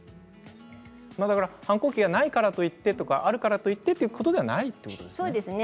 反抗期がないからといってあるからといってということではないということですね。